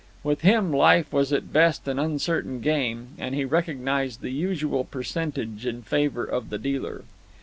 With him life was at best an uncertain game, and he recognized the usual percentage in favor of the dealer.